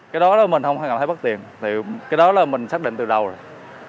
cái đó là mình không cảm thấy bất tiện cái đó là mình xác định từ đầu rồi